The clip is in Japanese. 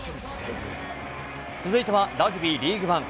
続いてはラグビーリーグワン。